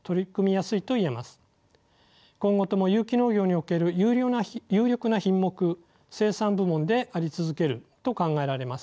今後とも有機農業における有力な品目生産部門であり続けると考えられます。